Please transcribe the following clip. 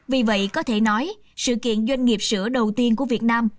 vì vậy có thể nói sự kiện doanh nghiệp sữa đầu tiên của việt nam